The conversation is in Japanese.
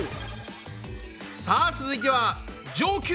さあ続いては上級！